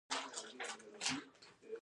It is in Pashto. د لنډ وخت لپاره مو د خوب پرېکړه وکړه.